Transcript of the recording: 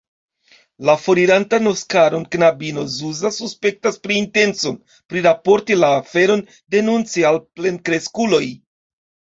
La forirantan Oskaron knabino Zuza suspektas pri intenco priraporti la aferon denunce al plenkreskuloj.